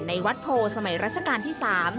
ในวัดโพสมัยรัชกาลที่๓